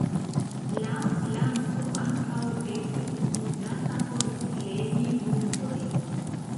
La planto ankaŭ estis uzata por flegi vundojn.